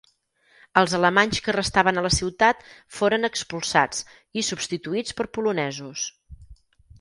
Els alemanys que restaven a la ciutat foren expulsats i substituïts per polonesos.